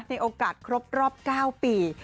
ในโอกาสครบรอบ๙ปี